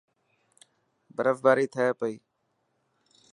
برف باري ٿي پئي.